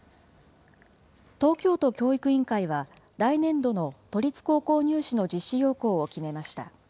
東京都教育委員会は、来年度の都立高校入試の実施要綱を決めました。